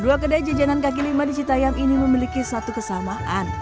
kedai kedai jajanan kaki lima di cita yam ini memiliki satu kesamaan